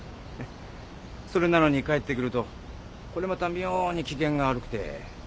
それなのに帰ってくるとこれまた妙に機嫌が悪くて。